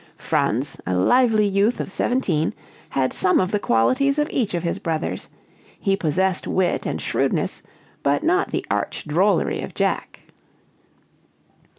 Franz, a lively youth of seventeen, had some of the qualities of each of his brothers; he possessed wit and shrewdness, but not the arch drollery of Jack.